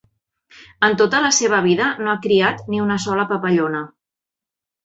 En tota la seva vida no ha criat ni una sola papallona.